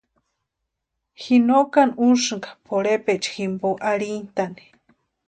Ji no kani úsïnka pʼorhepecha jimpo arhintʼani.